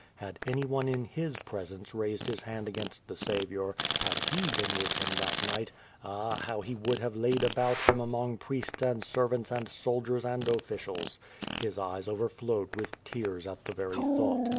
Had anyone in his presence raised his hand against the Saviour, had he been with him that night, ah, how he would have laid about him among priests and servants and sol diera and officials. His eyes overflowed with tears at the very thought.